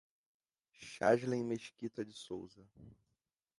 Chaslen Mesquita de Sousa